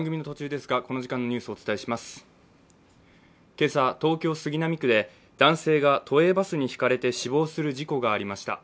今朝、東京・杉並区で男性が都営バスにひかれて死亡する事故がありました。